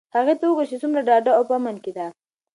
هغې ته وگوره چې څومره ډاډه او په امن کې ده.